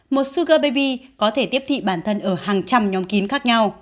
một suga baby có thể tiếp thị bản thân ở hàng trăm nhóm kín khác nhau